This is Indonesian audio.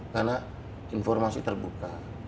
karena informasi terbuka